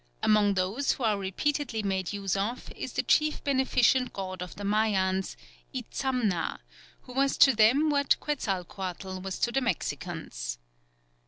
Amongst those which are repeatedly made use of is the chief beneficent god of the Mayans, Itzamna, who was to them what Quetzalcoatl was to the Mexicans.